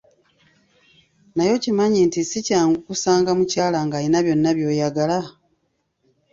Naye okimanyi nti sikyangu kusanga mukyala ng'ayina byonna by'oyagala?